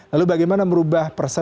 lalu bagaimana merubah persaingan